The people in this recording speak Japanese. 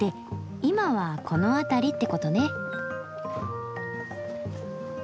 今はこの辺りってことね。